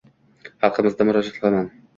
xalqimizga murojaat qilaman—